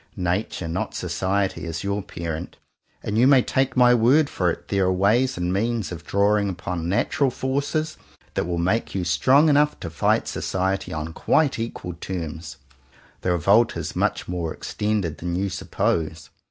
Nature, not Society is your parent; and you may take my word for it there are ways and means of drawing upon natural forces that will make you strong enough to fight Society on quite equal terms. The revolt is much more extended than you suppose.